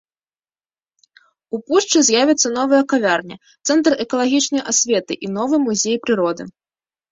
У пушчы з'явіцца новая кавярня, цэнтр экалагічнай асветы і новы музей прыроды.